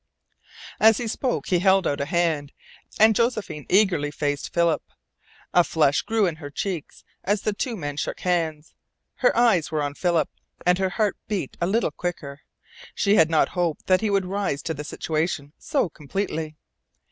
As he spoke he held out a hand, and Josephine eagerly faced Philip. A flush grew in her cheeks as the two men shook hands. Her eyes were on Philip, and her heart beat a little quicker. She had not hoped that he would rise to the situation so completely.